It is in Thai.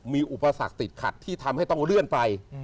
มีอุปสรรคติดขัดที่ทำให้ต้องเลื่อนไป